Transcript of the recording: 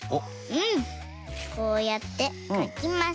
こうやってかきます。